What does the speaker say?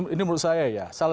ini menurut saya ya